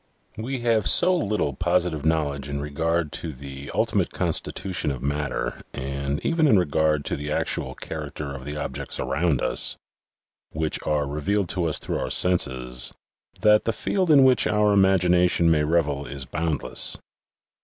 We have so little positive knowledge in regard to the ultimate constitution of matter and even in regard to the actual character of the objects around us, which are revealed to us through our senses, that the field in which our imagin ation may revel is boundless.